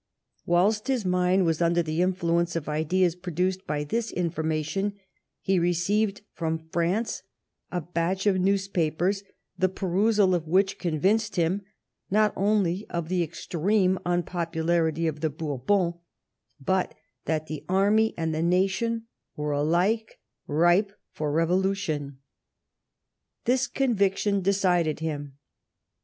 Whilst his mind was under the influence of ideas produced by this information he received from France a batch of newspapers, the perusal of which convinced him not only of the extreme unpopularity of the Bourbons, but that the army and the nation were alike ripe for revolution. This conviction decided him.